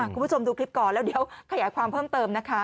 คุณผู้ชมดูคลิปก่อนแล้วเดี๋ยวขยายความเพิ่มเติมนะคะ